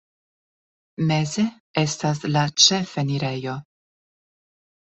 Meze estas la ĉefenirejo.